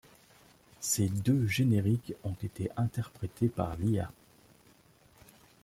Ces deux génériques ont été interprétés par Lia.